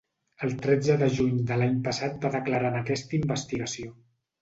El tretze de juny de l’any passat va declarar en aquesta investigació.